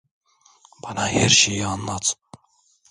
Bana her şeyi anlat.